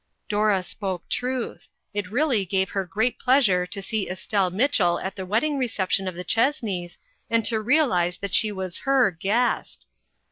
Dora spoke truth. It really gave her great pleasure to see Estelle Mitchell at the wedding reception of the Chessneys, and to realize that she was her guest